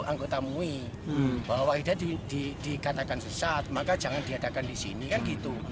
anggota mui bahwa ida dikatakan sesat maka jangan diadakan di sini kan gitu